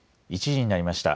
１時になりました。